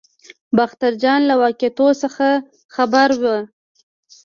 باختر اجان له واقعاتو څخه خبر وي.